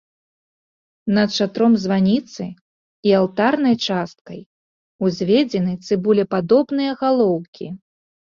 Над шатром званіцы і алтарнай часткай узведзены цыбулепадобныя галоўкі.